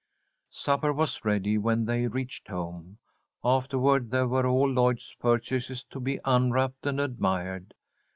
Supper was ready when they reached home. Afterward there were all Lloyd's purchases to be unwrapped and admired.